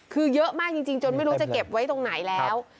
คือเยอะมากจริงจนไม่รู้จะเก็บไว้ตรงไหนแล้ว